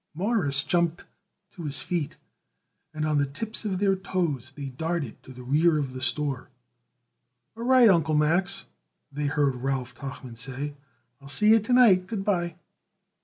Morris jumped to his feet, and on the tips of their toes they darted to the rear of the store. "All right, Uncle Max," they heard Ralph Tuchman say. "I'll see you to night. Good by."